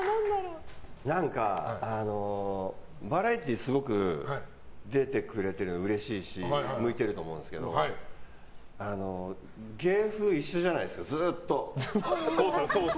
何かバラエティーすごく出てくれてるのうれしいし向いていると思うんですけど芸風一緒じゃないですか、ずっと。